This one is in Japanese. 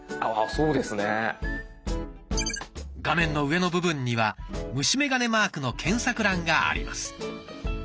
画面の上の部分には虫眼鏡マークの検索欄があります。